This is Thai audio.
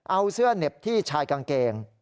เอาเสื้อเหน็บที่ชายกางเกง